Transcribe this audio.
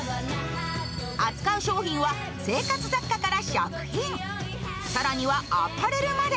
扱う商品は生活雑貨から食品、さらにはアパレルまで。